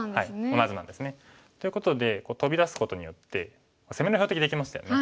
同じなんですね。ということでトビ出すことによって攻めの標的できましたよね。